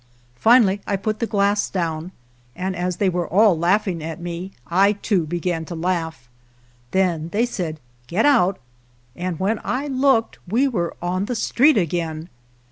Finally I put the glass down, and as they were all laugh ing at me, I too, began to laugh. Then they said, " Get out! " and when I looked we were 2 Ferris wheel. 201 GERONIMO on the street again.